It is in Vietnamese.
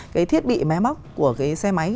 cái thiết bị mé móc của cái xe máy